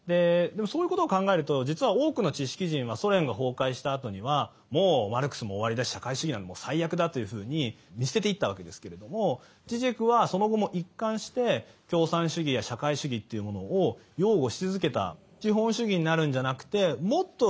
でもそういうことを考えると実は多くの知識人はソ連が崩壊したあとにはもうマルクスも終わりだし社会主義は最悪だというふうに見捨てていったわけですけれどもジジェクはその後も一貫して共産主義や社会主義っていうものを擁護し続けた。